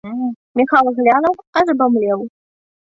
Міхал глянуў, аж абамлеў.